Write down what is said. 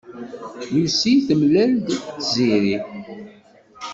Lucy temlal-d Tiziri.